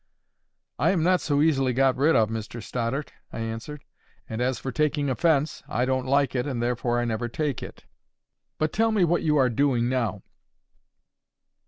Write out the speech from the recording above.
"I am not so easily got rid of, Mr Stoddart," I answered. "And as for taking offence, I don't like it, and therefore I never take it. But tell me what you are doing now."